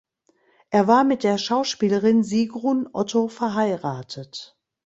Er war mit der Schauspielerin Sigrun Otto verheiratet.